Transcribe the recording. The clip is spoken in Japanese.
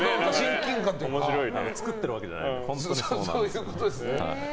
作ってるわけじゃないです。